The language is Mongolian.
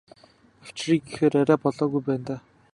Авчиръя гэхээр арай болоогүй байна даа.